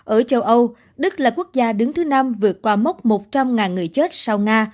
ở châu âu đức là quốc gia đứng thứ năm vượt qua mốc một trăm linh người chết sau nga